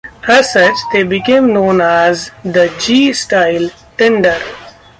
As such, they became known as the 'G' style tender.